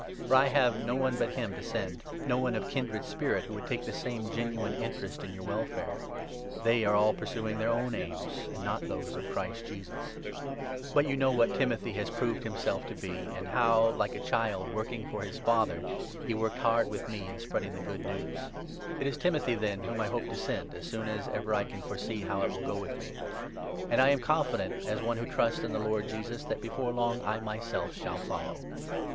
For 20 I have no one but him to send — no one of kindred spirit who would take the same genuine interest in your welfare. They 21 are all pursuing their own aims and not those of Christ Jesus. 10—11 Isa. 4S. 2 . 1* Deut. 32. 5. 16 Isa. 49. 4. 402 PHILIPPIANS, 2—3. But you know what Timothy has proved himself to be, and 22 how, like a child working for his father, he worked hard with me in spreading the Good News. It is Timothy, then, 23 whom I hope to send, as soon as ever I can foresee how it will go with me. And I am confident, as one who trusts in the 24 Lord Jesus, that before long I myself shall follow.